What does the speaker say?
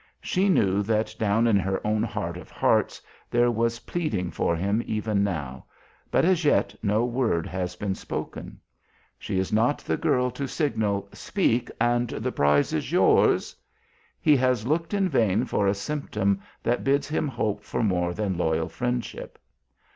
She knew that down in her own heart of hearts there was pleading for him even now, but as yet no word has been spoken. She is not the girl to signal, "speak, and the prize is yours." He has looked in vain for a symptom that bids him hope for more than loyal friendship.